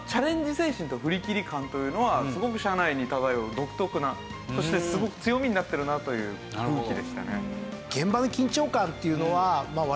精神と振り切り感というのはすごく社内に漂う独特なそしてすごく強みになってるなという空気でしたね。